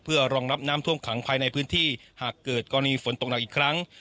เพื่อรองรับน้ำท่วมขังภายในพื้นที่หากเกิดกรณีฝนตกหนักอีกครั้ง